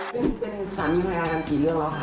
เป็นสามีภรรยากันกี่เรื่องแล้วค่ะ